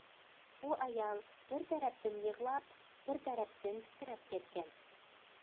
بۇ ئايال بىر تەرەپتىن يىغلاپ بىر تەرەپتىن تىترەپ كەتكەن.